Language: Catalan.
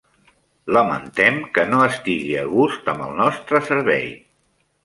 Lamentem que no estigui a gust amb el nostre servei.